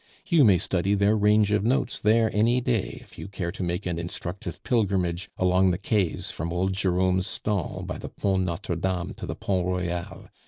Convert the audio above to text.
You may study their range of notes there any day if you care to make an instructive pilgrimage along the Quais from old Jerome's stall by the Pont Notre Dame to the Pont Royal.